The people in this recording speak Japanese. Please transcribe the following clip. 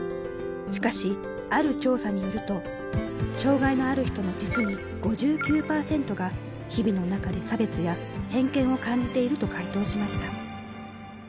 しかし、ある調査によると、障がいのある人の実に５９％が、日々の中で差別や偏見を感じていると回答しました。